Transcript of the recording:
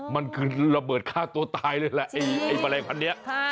มันคือระเบิดฆ่าตัวตายเลยแหละไอ้แมลงพันธุ์นี้